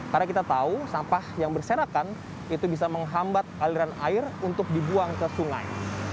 karena kita tahu sampah yang berserakan itu bisa menghambat aliran air untuk dibuang ke sungai